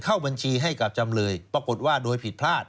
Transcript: เข้าบัญชีให้กับจำเลยปรากฏว่าโดยผิดพลาด